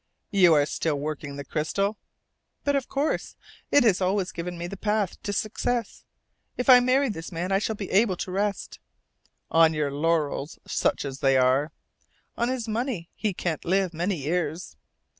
"You are still working the crystal?" "But, of course! It has always given me the path to success. If I marry this man I shall be able to rest." "On your laurels such as they are!" "On his money. He can't live many years."